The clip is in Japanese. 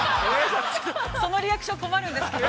◆ちょっと、そのリアクション困るんですけど。